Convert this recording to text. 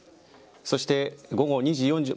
そして午後２時４０分。